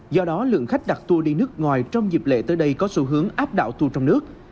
do đó lượng khách đặt tour đi nước ngoài trong dịp lễ tới đây có xu hướng áp đạo tour trong nước